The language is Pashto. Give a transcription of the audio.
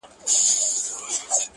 لکه پاڼه د خزان باد به مي یوسي؛